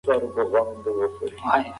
د موسسې مخې ته یو هډور سړی ولاړ و.